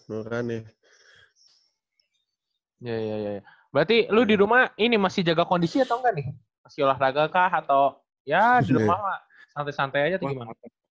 iya iya iya berarti lo di rumah ini masih jaga kondisi atau enggak nih masih olahraga kah atau yaa di rumah lah santai santai aja tuh gimana